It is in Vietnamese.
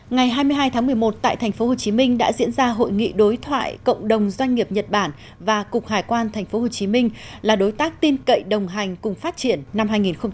ngày hai mươi hai tháng một mươi một tại tp hcm đã diễn ra hội nghị đối thoại cộng đồng doanh nghiệp nhật bản và cục hải quan tp hcm là đối tác tin cậy đồng hành cùng phát triển năm hai nghìn một mươi chín